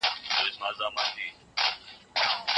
غزل ته مي د ښكلي يار